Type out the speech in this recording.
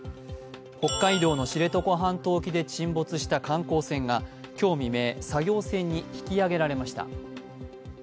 北海道の知床半島沖で沈没した観光船が今日未明、作業船に引き揚げられました。